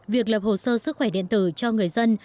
việc lập hồ sơ sức khỏe điện tử cho người dân